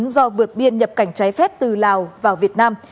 do vượt biên nhập cảnh trái phép từ lào vào việt nam